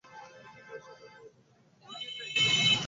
কুয়াশাঢাকা প্রভাতের মতো সুভার সমস্ত হৃদয় অশ্রুবাষ্পে একেবারে ভরিয়া গেল।